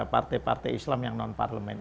partai partai islam yang non parlemen